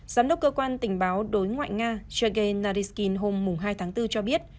giám đốc cơ quan tình báo đối ngoại nga sergei nariskyn hôm hai tháng bốn cho biết